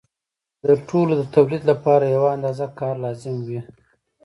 د ټولو د تولید لپاره یوه اندازه کار لازم وي